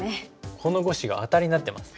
この５子がアタリになってます。